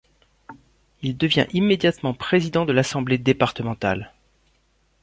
Il devient immédiatement président de l'assemblée départementale.